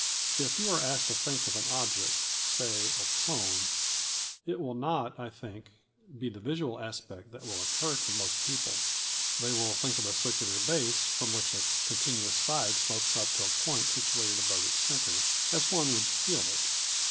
If you are asked to think of an object, say a cone, it will not, I think, be the visual aspect that will occur to most people. They will think of a circular base from which a continuous side slopes up to a point situated above its centre, as one would feel it.